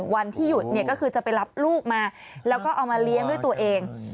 วันที่หยุดเนี่ยก็คือจะไปรับลูกมาแล้วก็เอามาเลี้ยงด้วยตัวเอง